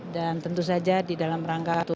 dan tentu saja di dalam rangka untuk mengelola